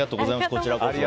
こちらこそ。